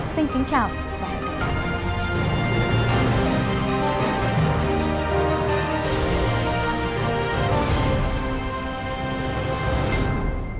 xin kính chào và hẹn gặp lại